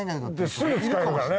すぐ使えるからね